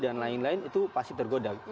dan lain lain itu pasti tergodam